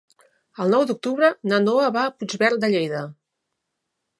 El nou d'octubre na Noa va a Puigverd de Lleida.